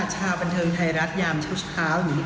ชาวบันเทิงไทยรัดยามเท่า